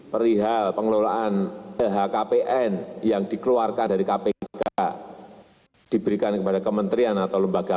perihal pengelolaan lhkpn yang dikeluarkan dari kpk diberikan kepada kementerian atau lembaga